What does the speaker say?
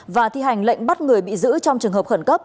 và thi hành lệnh bắt người bị giữ trong trường hợp khẩn cấp